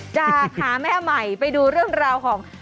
จากหาแม่ใหม่ไปดูเรื่องราวของ